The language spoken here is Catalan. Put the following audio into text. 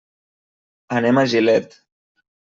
Anem a Gilet.